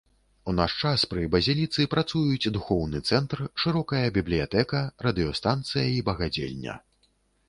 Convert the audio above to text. У наш час пры базіліцы працуюць духоўны цэнтр, шырокая бібліятэка, радыёстанцыя і багадзельня.